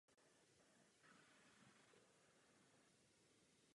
Z tohoto alba pochází i jeho největší hit Cat Scratch Fever.